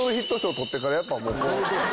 取ってからやっぱもう。